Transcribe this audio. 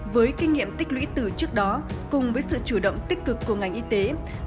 với kinh nghiệm tích lũy từ trước đó cùng với sự chủ động tích cực của ngành y tế